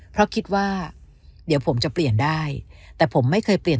เพราะคิดว่าเดี๋ยวผมจะเปลี่ยนได้แต่ผมไม่เคยเปลี่ยน